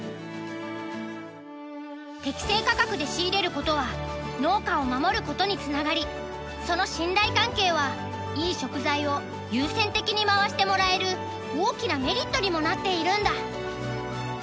適正価格で仕入れることは農家を守ることにつながりその信頼関係はいい食材を優先的に回してもらえる大きなメリットにもなっているんだ。